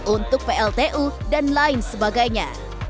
untuk pltu dan lain sebagainya